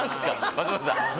松本さん